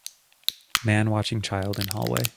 Man watching child in hallway.